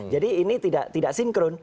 jadi ini tidak sinkron